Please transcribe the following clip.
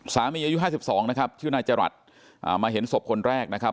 อายุ๕๒นะครับชื่อนายจรัสมาเห็นศพคนแรกนะครับ